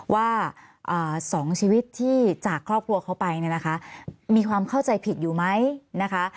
ว่าสองชีวิตที่จากครอบครัวเข้าไปมีความเข้าใจผิดอยู่ไหมนะคะ